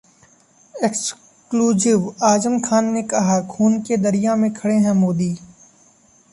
exclusive Azam Khan ने कहा, खून के दरिया में खड़े हैं मोदी